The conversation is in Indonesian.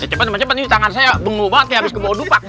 cepat teman teman ini tangan saya bengu banget kayak habis keburu dupak